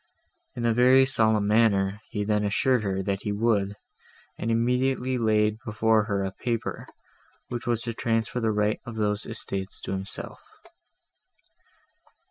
In a very solemn manner he then assured her, that he would, and immediately laid before her a paper, which was to transfer the right of those estates to himself.